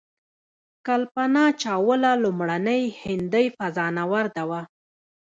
کلپنا چاوله لومړنۍ هندۍ فضانورده وه.